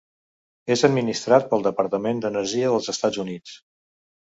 És administrat pel Departament d'Energia dels Estats Units.